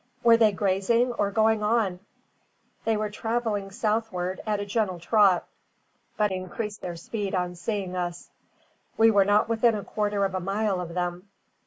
"Were they grazing or going on?" "They were travelling southward at a gentle trot, but increased their speed on seeing us. We were not within a quarter of a mile of them."